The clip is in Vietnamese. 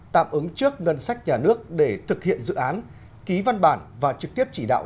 tạm ứng trước ngân sách nhà nước để thực hiện dự án ký văn bản và trực tiếp chỉ đạo